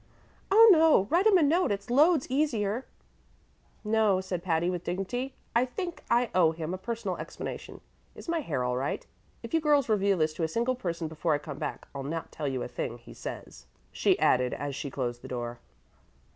"Oh, no. Write him a note. It's loads easier." "No," said Patty, with dignity; "I think I owe him a personal explanation. Is my hair all right? If you girls reveal this to a single person before I come back, I'll not tell you a thing he says," she added as she closed the door.